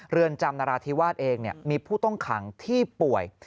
เรือนจำนราธิวาสเองมีผู้ต้องขังที่ป่วย